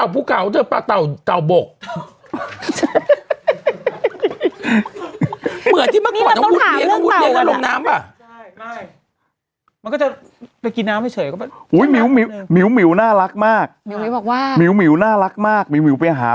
ผู้ข่าวก็น่าจะ